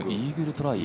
トライ。